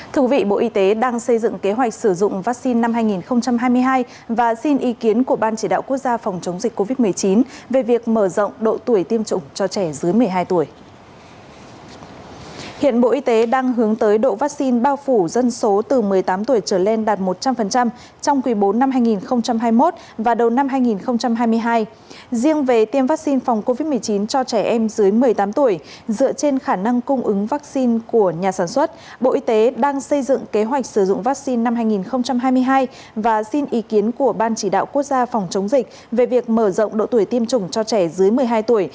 thưa quý vị bộ y tế đang xây dựng kế hoạch sử dụng vaccine năm hai nghìn hai mươi hai và xin ý kiến của ban chỉ đạo quốc gia phòng chống dịch covid một mươi chín về việc mở rộng độ tuổi tiêm chủng cho trẻ dưới một mươi hai tuổi